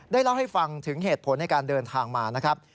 เล่าให้ฟังถึงเหตุผลในการเดินทางมานะครับ